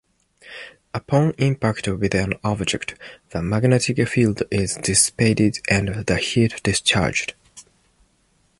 Upon impact with an object, the magnetic field is dissipated and the heat discharged.